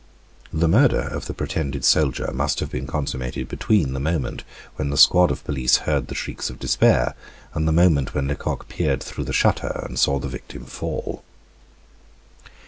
The murder of the pretended soldier must have been consummated between the moment when the squad of police heard the shrieks of despair and the moment when Lecoq peered through the shutter and saw the victim fall.